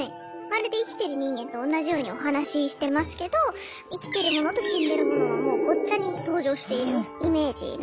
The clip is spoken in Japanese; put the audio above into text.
まるで生きてる人間とおんなじようにお話ししてますけど生きてる者と死んでる者がもうごっちゃに登場しているイメージなんですね。